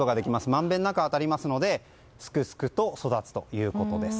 まんべんなく当たりますのですくすくと育つということです。